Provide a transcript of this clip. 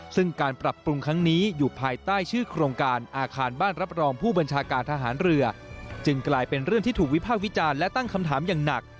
ซึ่งการปรับปรุงครั้งนี้อยู่ภายใต้ชื่อโครงการอาคารบ้านรับรองผู้บัญชาการทหารเรือจึงกลายเป็นเรื่องที่ถูกวิภาควิจารณ์และตั้งคำถามอย่างหนัก